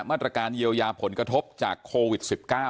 มาตรการเยียวยาผลกระทบจากโควิด๑๙